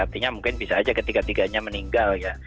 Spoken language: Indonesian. artinya mungkin bisa aja ketiga tiganya meninggal ya